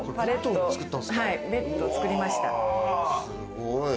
すごい。